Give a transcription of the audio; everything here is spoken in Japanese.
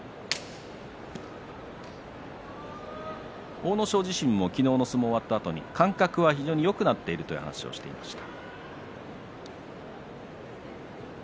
阿武咲自身も昨日の相撲が終わったあとに、感覚がよくなっていると話していました。